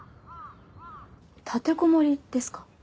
立てこもりですか？